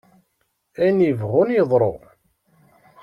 Ayen yebɣun yeḍru!